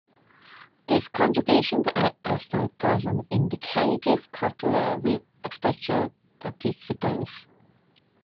These conjugations act as the present indicative copula with aspectual participles.